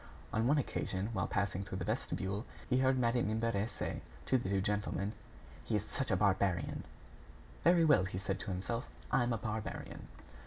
On one occasion, while passing through the vestibule, he heard Madame Imbert say to the two gentlemen: "He is such a barbarian!" "Very well," he said to himself, "I am a barbarian."